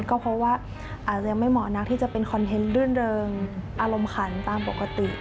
ก็เพราะว่าอาจจะยังไม่เหมาะนักที่จะเป็นคอนเทนต์รื่นเริงอารมณ์ขันตามปกติ